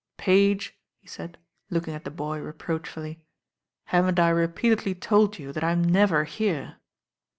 "Page," he said, looking at the boy reproachfully, "haven't I repeatedly told you that I'm never here?"